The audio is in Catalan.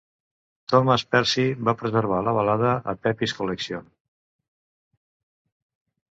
Thomas Percy va preservar la balada a "Pepys Collection".